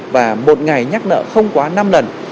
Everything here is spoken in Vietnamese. và một ngày nhắc nợ không quá năm lần